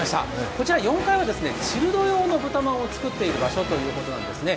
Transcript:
こちら４階はチルド用の豚まんを作っている場所ということなんですね。